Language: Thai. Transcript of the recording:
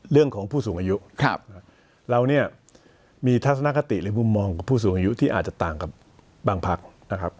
เรื่องของผู้สูงอายุเราเนี่ยมีทัศนคติหรือมุมมองของผู้สูงอายุที่อาจจะต่างกับบางพักนะครับ